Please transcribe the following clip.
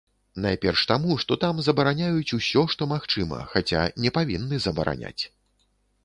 Найперш таму, што там забараняюць усё, што магчыма, хаця не павінны забараняць.